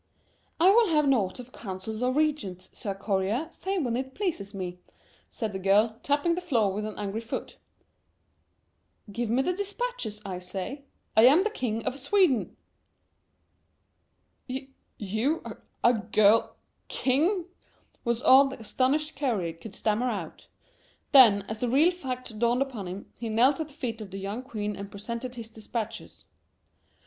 "I will have naught of councils or regents, Sir Courier, save when it pleases me," said the girl, tapping the floor with an angry foot. "Give me the dispatches, I say, I am the King of Sweden!" "You a girl king?" was all that the astonished courier could stammer out. Then, as the real facts dawned upon him, he knelt at the feet of the young queen and presented his dispatches.